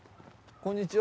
こんにちは。